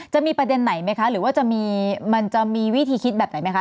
จะมีประเด็นไหนไหมคะหรือว่าจะมีมันจะมีวิธีคิดแบบไหนไหมคะ